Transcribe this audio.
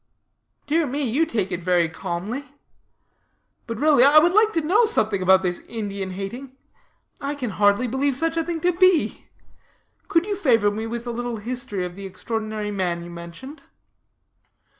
"Dear me, you take it very calmly. But really, I would like to know something about this Indian hating, I can hardly believe such a thing to be. Could you favor me with a little history of the extraordinary man you mentioned?"